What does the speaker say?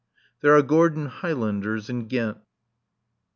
There are Gordon Highlanders in Ghent.